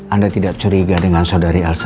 anda tidak curiga dengan saudari arsi